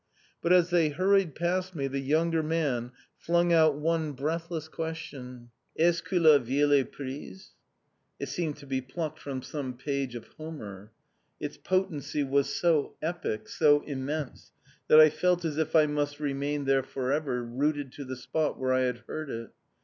But as they hurried past me the younger man flung out one breathless question: "Est ce que la ville est prise?" It seemed to be plucked from some page of Homer. Its potency was so epic, so immense, that I felt as if I must remain there for ever rooted to the spot where I had heard it....